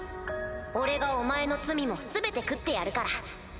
俺がお前の罪も全て食ってやるから。